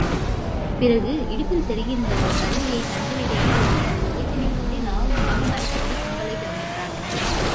பிறகு, இடுப்பில் செருகியிருந்த ஒரு கருவியைக் கண்களிலே இடுக்கி, அதை ஒலைத்துணி கொண்டு லாகவமாக மறைத்தபடி கும்பலைக் கவனித்தான்.